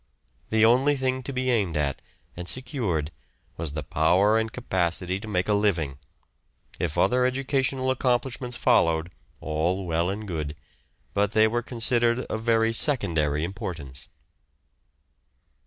The only thing to be aimed at and secured was the power and capacity to make a living; if other educational accomplishments followed, all well and good, but they were considered of very secondary importance.